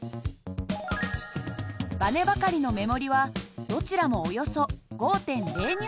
ばねばかりの目盛りはどちらもおよそ５．０Ｎ。